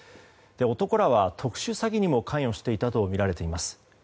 男らは特殊詐欺にも関与していたとみられています。